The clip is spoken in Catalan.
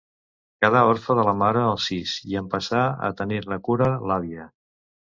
Quedà orfe de la mare als sis i en passà a tenir-ne cura l'àvia.